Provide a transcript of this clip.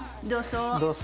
どうぞ。